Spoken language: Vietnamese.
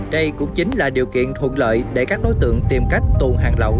đây cũng chính là điều kiện thuận lợi để các đối tượng tìm cách tuồn hàng lậu